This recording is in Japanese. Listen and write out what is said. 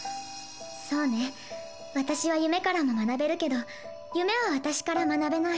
そうね私は夢からも学べるけど夢は私から学べない。